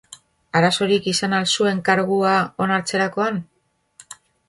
Arazorik izan al zuen kargua onartzerakoan?